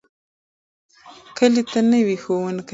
کلي ته نوی ښوونکی راغلی دی.